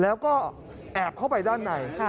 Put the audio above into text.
แล้วก็แอบเข้าไปด้านใน